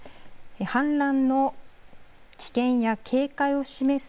氾濫の危険や警戒を示す